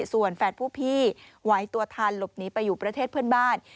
ส่วนแฝดผู้พี่ไหวตัวทันหลบหนีไปอยู่ประเทศเพื่อนบ้าน